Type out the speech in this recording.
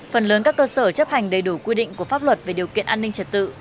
phần lớn các cơ sở chấp hành đầy đủ quy định của pháp luật về điều kiện an ninh trật tự